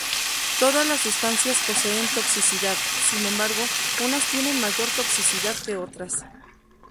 Todas las sustancias poseen toxicidad; sin embargo unas tienen mayor toxicidad que otras.